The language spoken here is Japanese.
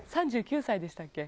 ３９歳でしたっけ？